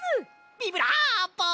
ビブラーボ！